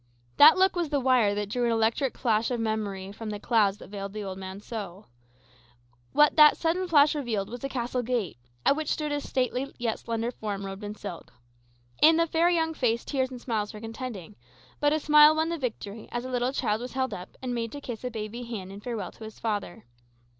That look was the wire that drew an electric flash of memory from the clouds that veiled the old man's soul. What that sudden flash revealed was a castle gate, at which stood a stately yet slender form robed in silk. In the fair young face tears and smiles were contending; but a smile won the victory, as a little child was held up, and made to kiss a baby hand in farewell to its father.